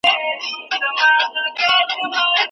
تل هڅي کوه چي خپل هدف ته ورسې او ژوند دي مانا پيدا کړي .